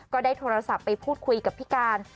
ก็ได้โทรศัพท์ไปพูดคุยกับพี่การ